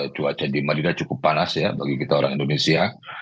cuaca di madinah cukup panas ya bagi kita orang indonesia